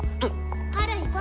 ハル行こ。